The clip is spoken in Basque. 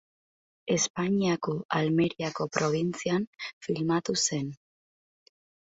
Espainiako Almeriako probintzian filmatu zen.